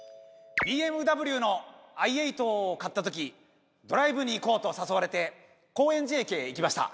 ＢＭＷのｉ８を買った時ドライブに行こうと誘われて高円寺駅へ行きました。